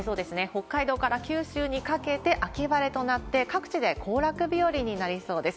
北海道から九州にかけて秋晴れとなって、各地で行楽日和になりそうです。